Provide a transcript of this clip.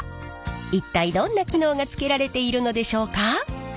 一体どんな機能がつけられているのでしょうか？